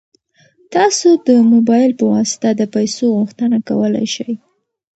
تاسو د موبایل په واسطه د پيسو غوښتنه کولی شئ.